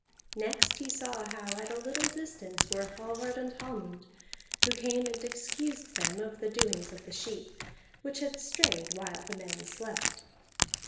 Next he saw how at a little distance were Hallvard and Hallmund, who came and excused them of the doings of the sheep, which had strayed while the men slept.